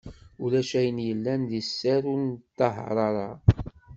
Ulac ayen yellan di sser ur d-neṭṭahaṛ ara.